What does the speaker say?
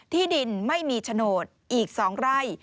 ที่ดินไม่มีโฉนดอีก๒ไร่